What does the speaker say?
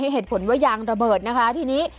เห็นเหตุผลยางระเบิดนะคะทีนี้